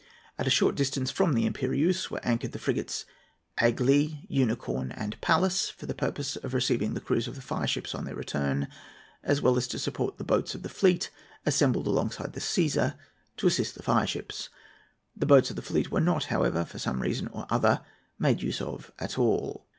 At a short distance from the Impérieuse were anchored the frigates Aigle, Unicorn, and Pallas, for the purpose of receiving the crews of the fireships on their return, as well as to support the boats of the fleet assembled alongside the Cæsar, to assist the fireships. The boats of the fleet were not, however, for some reason or other made use of at all.